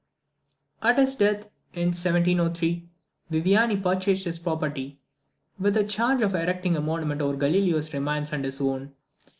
At his death, in 1703, Viviani purchased his property, with the charge of erecting a monument over Galileo's remains and his own.